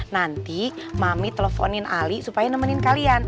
nanti mami teleponin ali supaya nemenin kalian